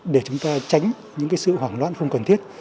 để chúng ta tránh những sự hoảng loạn không cần thiết